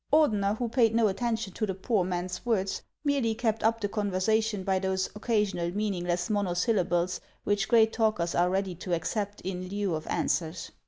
Ordener, who paid no attention to the poor man's words, merely kept up the conversation by those occasional mean ingless monosyllables which great talkers are ready to accept in lieu of answers.